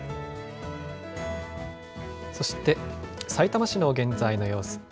そして、さいたま市の現在の様子。